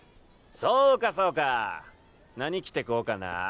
そうかそうか何着てこうかな。